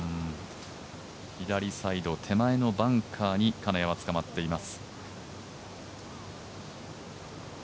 左サイド手前のバンカーに金谷はつかまっています。